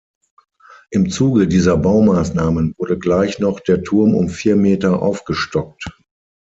Im Zuge dieser Baumaßnahmen wurde gleich noch der Turm um vier Meter aufgestockt.